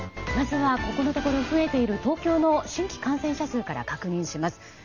まずは、ここのところ増えている東京の新規感染者数から確認します。